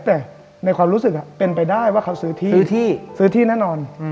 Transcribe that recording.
แต่ในความรู้สึกเป็นไปได้ว่าเขาซื้อที่ซื้อที่แน่นอน